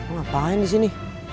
kamu ngapain disini